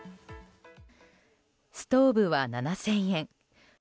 ストーブは７０００円。